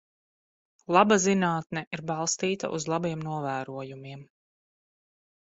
Laba zinātne ir balstīta uz labiem novērojumiem.